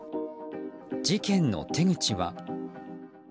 事件の手口は。